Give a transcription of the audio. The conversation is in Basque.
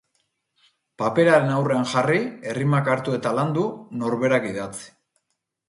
Paperaren aurrean jarri, errimak hartu eta landu, norberak idatzi.